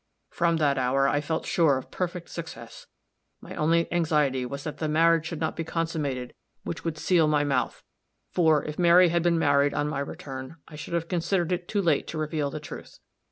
"From that hour I felt sure of perfect success. My only anxiety was that the marriage should not be consummated which would seal my mouth; for, if Mary had been married on my return, I should have considered it too late to reveal the truth.